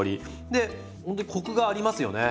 でほんとにコクがありますよね。